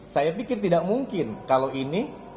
saya pikir tidak mungkin kalau ini